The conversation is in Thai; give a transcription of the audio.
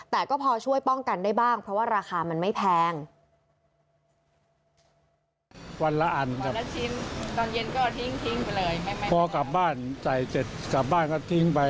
แต่ก็พอช่วยป้องกันได้บ้างเพราะว่าราคามันไม่แพง